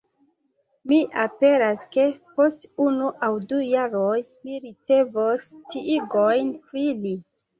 Mi esperas ke, post unu aŭ du jaroj, mi ricevos sciigojn pri li.